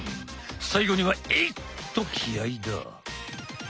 最後にはエイっと気合いだ！